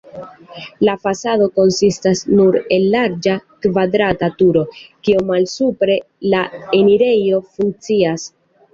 La fasado konsistas nur el larĝa kvadrata turo, kie malsupre la enirejo funkcias.